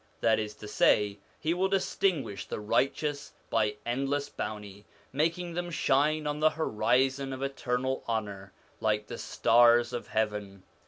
That is to say, he will dis tinguish the righteous by endless bounty, making them shine on the horizon of eternal honour, like the stars of heaven.